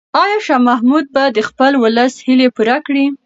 آیا شاه محمود به د خپل ولس هیلې پوره کړي؟